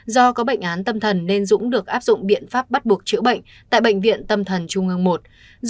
do có bệnh án tâm thần nên dũng được áp dụng biện pháp bắt buộc chữa bệnh tại bệnh viện tâm thần trung ương i